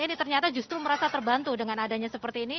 ini ternyata justru merasa terbantu dengan adanya seperti ini